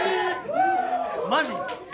マジ？